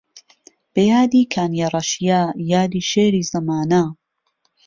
بە یادی کانیەڕەشیە یادی شێری زەمانە